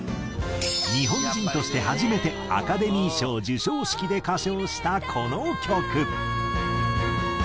日本人として初めてアカデミー賞授賞式で歌唱したこの曲。